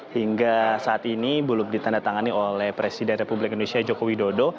hingga saat ini belum ditandatangani oleh presiden republik indonesia joko widodo